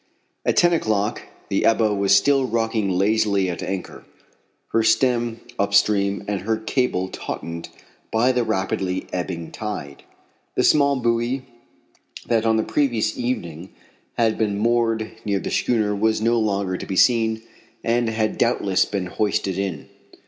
At ten o'clock the Ebba was still rocking lazily at anchor, her stem up stream and her cable tautened by the rapidly ebbing tide. The small buoy that on the previous evening had been moored near the schooner was no longer to be seen, and had doubtless been hoisted in.